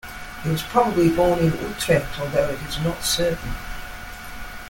He was probably born in Utrecht, although it is not certain.